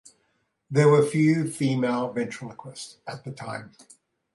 There were few female ventriloquists at the time.